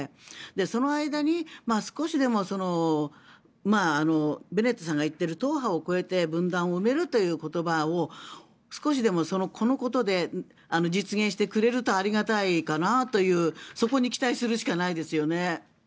その間に少しでもベネットさんが言っている党派を超えて分断を埋めるという言葉を少しでも、このことで実現してくれるとありがたいかなというそこに期待するしかないですよね。